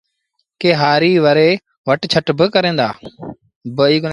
ڪي هآريٚ وري وٽ ڇٽ ڪريݩ دآ